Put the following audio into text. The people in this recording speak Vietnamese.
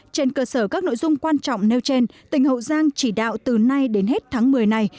trên cơ sở các nội dung quan trọng nêu trên tỉnh hậu giang chỉ đạo từ nay đến hết tháng một mươi này